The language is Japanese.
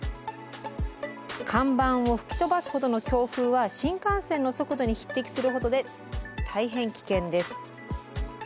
看板を吹き飛ばすほどの強風は新幹線の速度に匹敵するほどで大変危険です。